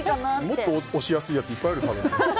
もっと押しやすいやついっぱいあるよ。